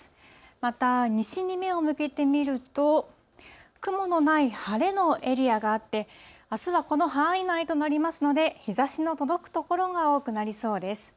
また、西に目を向けてみると、雲のない晴れのエリアがあって、あすはこの範囲内となりますので、日ざしの届く所が多くなりそうです。